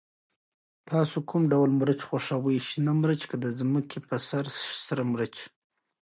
تاسو کوم ډول مرچ خوښوئ، شنه مرچ که د ځمکې په سر سره مرچ؟